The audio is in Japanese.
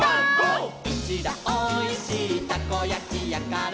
「うちらおいしいたこやきやから」